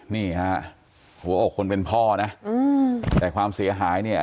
นี่ฮะหัวอกคนเป็นพ่อนะแต่ความเสียหายเนี่ย